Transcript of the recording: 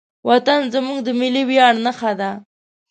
وطن زموږ د ملي ویاړ نښه ده.